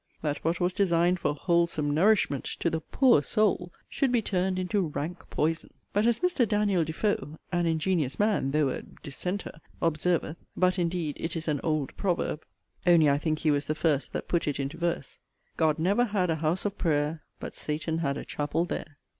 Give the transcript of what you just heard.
that what was designed for 'wholesome nourishment' to the 'poor soul,' should be turned into 'rank poison!' But as Mr. Daniel de Foe (an ingenious man, though a 'dissenter') observeth (but indeed it is an old proverb; only I think he was the first that put it into verse) God never had a house of pray'r But Satan had a chapel there.